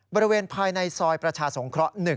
บริเวณภายในซอยประชาสงเคราะห์๑